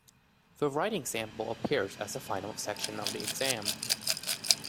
The writing sample appears as the final section of the exam.